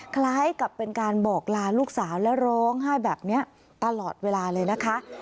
คล้ายกับเป็นการบอกลาลูกสาวและร้องไห้แบบนี้ตลอดเวลาเลยนะคะ